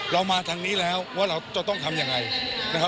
เรามาทางนี้แล้วว่าเราจะต้องทำอย่างไร